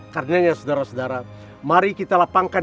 karena ini sedara sedara mari kita lapangkan